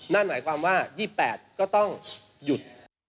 นั่นหมายความว่า๒๘ก็ต้องหยุด